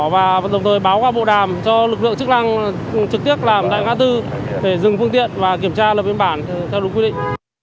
và đồng thời báo qua bộ đàm cho lực lượng chức năng trực tiếp làm tại ngã tư để dừng phương tiện và kiểm tra lập biên bản theo đúng quy định